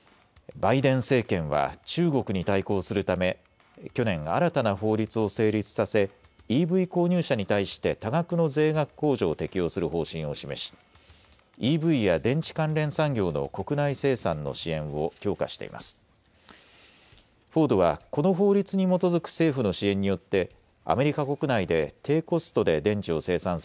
バイデン政権は中国に対抗するため去年、新たな法律を成立させＥＶ購入者に対して多額の税額控除を適用する方針を示しＥＶや電池関連産業の国内生産の支援を強化しています。